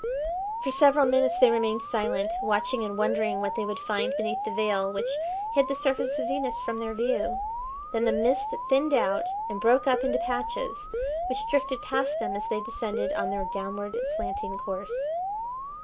For several minutes they remained silent, watching and wondering what they would find beneath the veil which hid the surface of Venus from their view. Then the mist thinned out and broke up into patches which drifted past them as they descended on their downward slanting course.